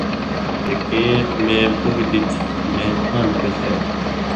چے کیں مے پوہہۡ دِتیۡ، مے پان٘د پشائ